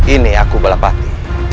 ini aku balapati